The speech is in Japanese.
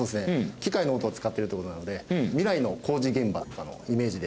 機械の音を使ってるという事なんで未来の工事現場のイメージで。